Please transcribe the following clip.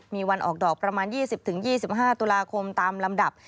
มีวันออกดอกประมาณ๒๐๒๕ตุลาคมตามลำดับ